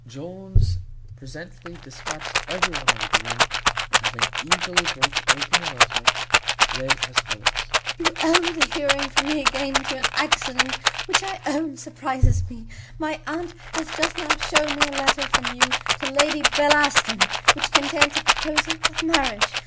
Jones presently dispatched every one out of the room, and, having eagerly broke open the letter, read as follows: "You owe the hearing from me again to an accident which I own surprizes me. My aunt hath just now shown me a letter from you to Lady Bellaston, which contains a proposal of marriage.